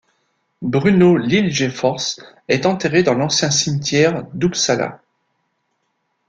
Bruno Liljefors est enterré dans l'ancien cimetière d'Uppsala.